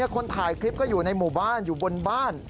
คนถ่ายคลิปก็อยู่ในหมู่บ้านอยู่บนบ้าน